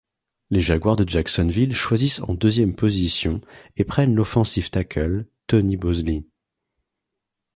Les Jaguars de Jacksonville choisissent en deuxième position et prennent l'offensive tackle Tony Boselli.